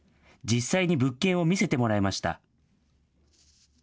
実際に物件を見せてもらいました。